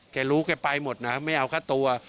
แกรู้แกไปหมดนะไม่เอาค่าตัว